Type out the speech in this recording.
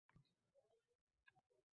Qanchalik tez oʻqish kerak